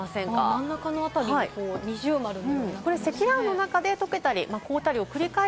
真ん中の辺りに二重丸というか。